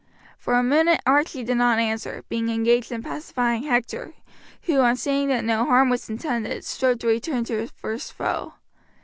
For a minute Archie did not answer, being engaged in pacifying Hector, who, on seeing that no harm was intended, strove to return to his first foe.